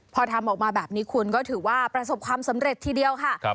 พอทำออกมาแบบนี้คุณก็ถือว่าประสบความสำเร็จทีเดียวค่ะ